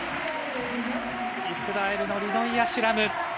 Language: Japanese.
イスラエルのリノイ・アシュラム。